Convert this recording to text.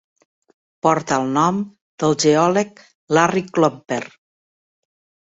Porta el nom del geòleg Larry Crumpler.